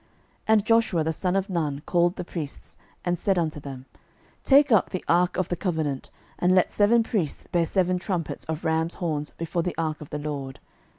06:006:006 And Joshua the son of Nun called the priests, and said unto them, Take up the ark of the covenant, and let seven priests bear seven trumpets of rams' horns before the ark of the LORD.